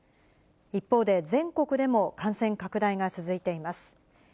一方で、全国でも感染拡大が続いています。